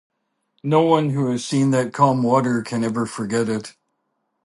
No one who has seen that calm water can ever forget it.